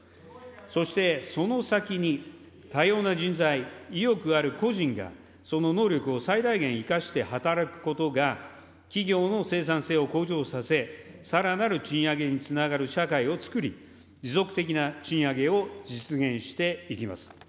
そしてその先に、多様な人材、意欲ある個人が、その能力を最大限生かして働くことが、企業の生産性を向上させ、さらなる賃上げにつながる社会を創り、持続的な賃上げを実現していきます。